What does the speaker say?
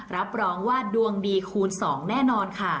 รับรองว่าดวงดีคูณ๒แน่นอนค่ะ